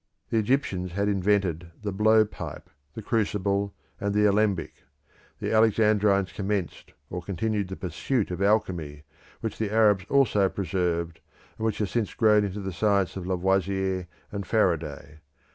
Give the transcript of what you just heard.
The Egyptians had invented the blow pipe, the crucible, and the alembic; the Alexandrines commenced or continued the pursuit of alchemy, which the Arabs also preserved, and which has since grown into the science of Lavoisier and Faraday.